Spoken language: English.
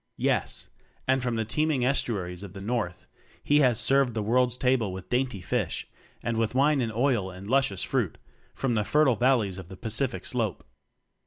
Yes! And from the teeming estuaries of the North he has served the World's table with dainty fish, and with wine and oil and luscious fruit from the fertile valleys of the Pacific Slope.